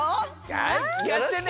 はいきかせてね！